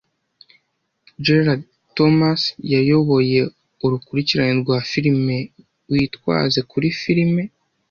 Gerald Thomas yayoboye urukurikirane rwa firime Witwaze kuri Filime